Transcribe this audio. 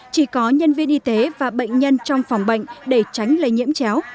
chỉ có nhân viên y tế và bệnh nhân trong phòng bệnh để tránh lây nhiễm chéo